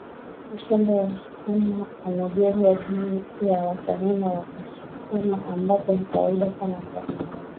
Ushamba wa msukuma umejengwa juu ya watani wa msukuma Ambapo ni kawaida sana kwa